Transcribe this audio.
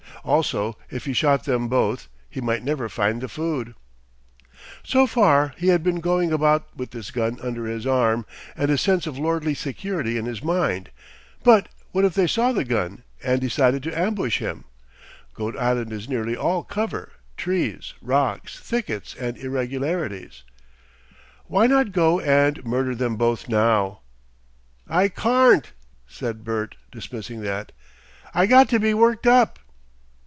Also, if he shot them both, he might never find the food! So far he had been going about with this gun under his arm, and a sense of lordly security in his mind, but what if they saw the gun and decided to ambush him? Goat Island is nearly all cover, trees, rocks, thickets, and irregularities. Why not go and murder them both now? "I carn't," said Bert, dismissing that. "I got to be worked up."